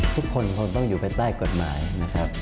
ทุกคนคงต้องอยู่ภายใต้กฎหมายนะครับ